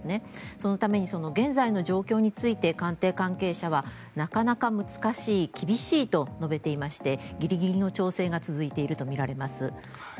そのために現在の状況について官邸関係者はなかなか難しい厳しいと述べていましてギリギリの調整が続いているとみられます。